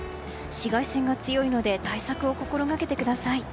紫外線が強いので対策を心掛けてください。